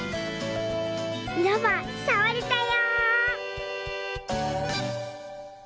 ロバさわれたよ！